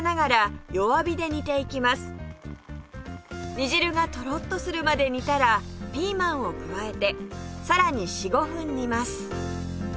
煮汁がとろっとするまで煮たらピーマンを加えてさらに４５分煮ます